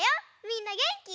みんなげんき？